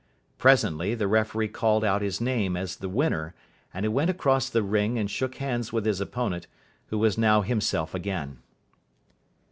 Presently the referee called out his name as the winner, and he went across the ring and shook hands with his opponent, who was now himself again.